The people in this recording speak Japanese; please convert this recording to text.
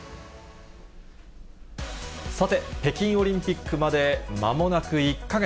さて、北京オリンピックまでまもなく１か月。